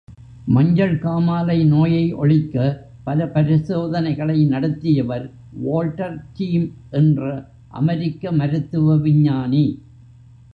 மஞ்சள் காமாலை நோயை ஒழிக்க, பல பரிசோதனைகளை நடத்தியவர் வால்டர் ரீம் என்ற அமெரிக்க மருத்துவ விஞ்ஞானி!